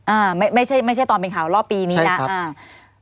อ่าไม่ไม่ใช่ไม่ใช่ตอนเป็นข่าวรอบปีนี้น่ะใช่ครับอ่า